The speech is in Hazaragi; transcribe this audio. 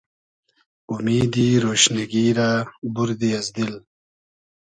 اومیدی رۉشنیگی رۂ بوردی از دیل